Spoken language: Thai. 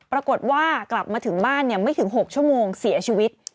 ปรากฏว่ากลับมาถึงบ้านไม่ถึง๖ชั่วโมงเสียชีวิต